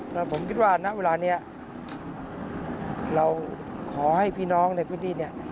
แล้วผมคิดว่าณเวลานี้เราขอให้พี่น้องในพื้นที่เนี่ย